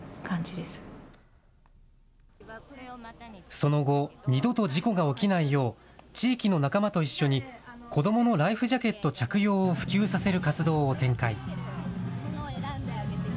その後、二度と事故が起きないよう地域の仲間と一緒に子どものライフジャケット着用を普及させる活動を展開。